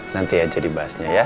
nanti aja dibahasnya ya